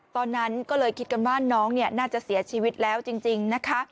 ตอนนั้นก็เลยคิดกันว่าน้องน่าจะเสียชีวิตแล้วจริงนะคะ